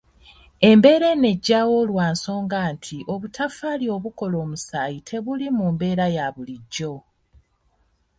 Embeera eno ejjawo lwa nsonga nti obutaffaali obukola omusaayi tebuli mu mbeera ya bulijjo.